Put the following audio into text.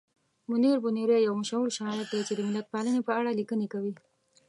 منیر بونیری یو مشهور شاعر دی چې د ملتپالنې په اړه لیکنې کوي.